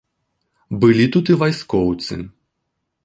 Былі тут і вайскоўцы.